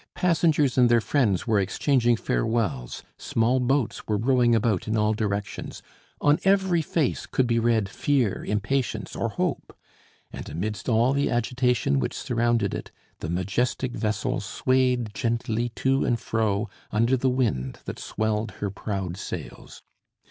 Passengers and their friends were exchanging farewells, small boats were rowing about in all directions; on every face could be read fear, impatience, or hope; and, amidst all the agitation which surrounded it, the majestic vessel swayed gently to and fro under the wind that swelled her proud sails.